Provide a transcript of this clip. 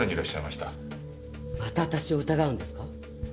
また私を疑うんですか？